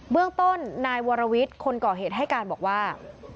เรื่องต้นนายวรวิทย์คนก่อเหตุให้การบอกว่า